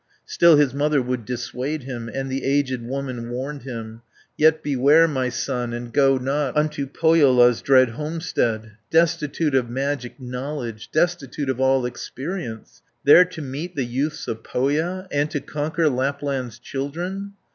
Still his mother would dissuade him, And the aged woman warned him: 130 "Yet beware, my son, and go not Unto Pohjola's dread homestead, Destitute of magic knowledge, Destitute of all experience, There to meet the youths of Pohja, And to conquer Lapland's children!